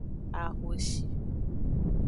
Ahoshi.